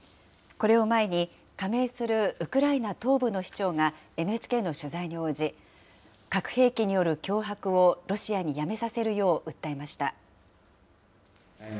これを前に、加盟するウクライナ東部の市長がＮＨＫの取材に応じ、核兵器による脅迫をロシアにやめさせるよう訴えました。